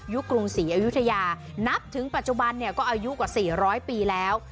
กรุงศรีอยุธยานับถึงปัจจุบันเนี่ยก็อายุกว่า๔๐๐ปีแล้ว